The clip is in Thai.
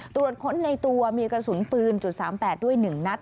ตรวจค้นในตัวมีกระสุนปืน๓๘ด้วย๑นัด